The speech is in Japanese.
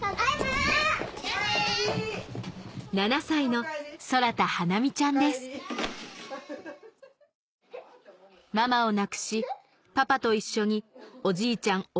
７歳の空田華実ちゃんですママを亡くしパパと一緒におじいちゃん